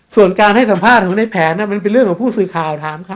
ส่วนการให้สัมภาษณ์ของในแผนมันเป็นเรื่องของผู้สื่อข่าวถามเขา